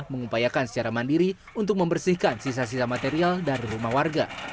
mengupayakan secara mandiri untuk membersihkan sisa sisa material dan rumah warga